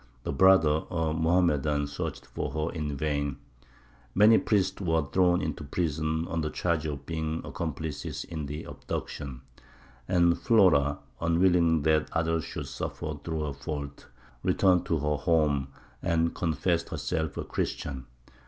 The brother, a Mohammedan, searched for her in vain; many priests were thrown into prison on the charge of being accomplices in the abduction; and Flora, unwilling that others should suffer through her fault, returned to her home and confessed herself a Christian.